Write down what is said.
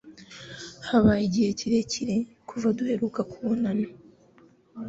Habaye igihe kirekire kuva duheruka kubonana.